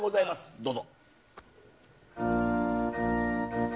どうぞ。